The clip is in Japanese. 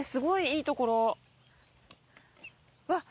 うわっ